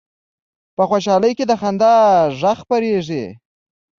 په خوشحالۍ کې د خندا غږ خپرېږي